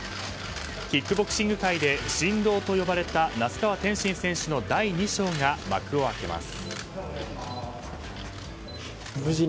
キックボクシング界で神童と呼ばれた那須川天心選手の第２章が幕を開けます。